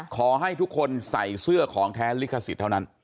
ขอให้ทุกคนใส่เสื้อของแท้ลิขสิทธิ์เท่านั้น